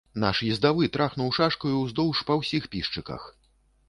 Наш ездавы трахнуў шашкаю ўздоўж па ўсіх пішчыках.